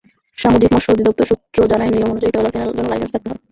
সামুদ্রিক মৎস্য অধিদপ্তর সূত্র জানায়, নিয়ম অনুযায়ী ট্রলার কেনার জন্য লাইসেন্স থাকতে হয়।